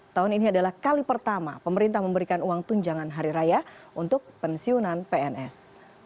tahun ini adalah kali pertama pemerintah memberikan uang tunjangan hari raya untuk pensiunan pns